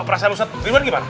perasaan ustadz ribet gimana